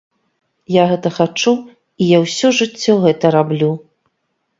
Я гэта хачу і я ўсё жыццё гэта раблю.